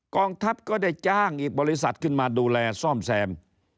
กองทัพก็ได้จ้างอีกบริษัทขึ้นมาดูแลซ่อมแซม